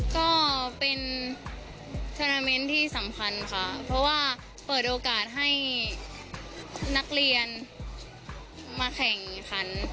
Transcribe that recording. ก็เป็นเทอร์นาเมนต์ที่สำคัญค่ะเพราะว่าเปิดโอกาสให้นักเรียนมาแข่งขัน